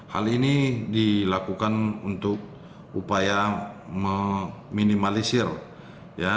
hal ini dilakukan untuk upaya meminimalisasi